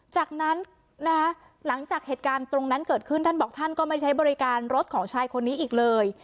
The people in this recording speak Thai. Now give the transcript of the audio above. จากนั้นนะคะหลังจากเหตุการณ์ตรงนั้นเกิดขึ้นท่านบอกท่านก็ไม่ใช้บริการรถของชายคนนี้อีกเลย